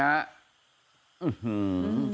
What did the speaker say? อื้อหือ